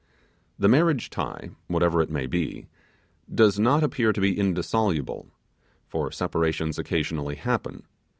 The marriage tie, whatever it may be, does not appear to be indissoluble; for separations occasionally happen.